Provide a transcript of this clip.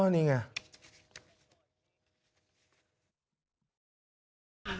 อ๋อนี่ไง